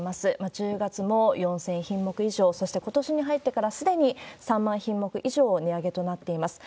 １０月も４０００品目以上、そしてことしに入ってからすでに３万品目以上、値上げとなっています。